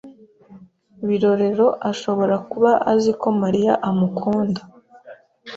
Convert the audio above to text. Birorero ashobora kuba azi ko Mariya amukunda.